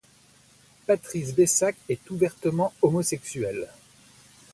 Patrice Bessac est ouvertement homosexuel.